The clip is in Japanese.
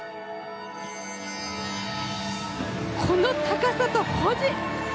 この高さと保持！